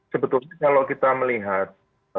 sebetulnya kalau kita melihat